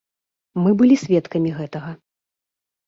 Мы былі сведкамі гэтага.